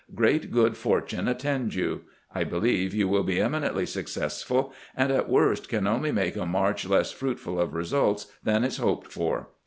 Great good for tune attend you. I believe you will be eminently suc cessful, and at worst can only make a march less fruitful of results than is hoped for."